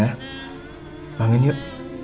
amida bangun yuk